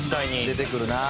出てくるなあ。